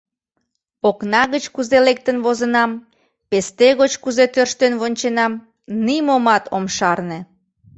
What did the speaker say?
Окна гыч кузе лектын возынам, песте гоч кузе тӧрштен вонченам, нимомат ом шарне.